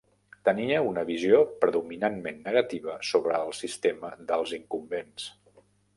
Tenia una visió predominantment negativa sobre el sistema dels incumbents.